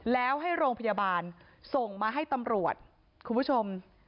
แล้วให้โรงพยาบาลส่งมาให้ตำรวจคุณผู้ชม